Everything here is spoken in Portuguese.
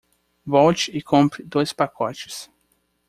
Volte e compre dois pacotes.